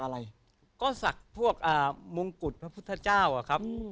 อย่างน้ำตะสักพวกมุงกุฏพระพุทธเจ้า